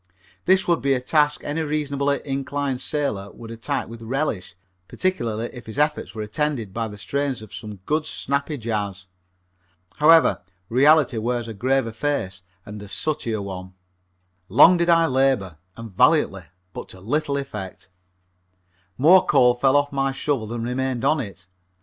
This would be a task any reasonably inclined sailor would attack with relish, particularly if his efforts were attended by the strains of some good, snappy jazz. However, reality wears a graver face and a sootier one. Long did I labor and valiantly but to little effect. More coal fell off of my shovel than remained on it.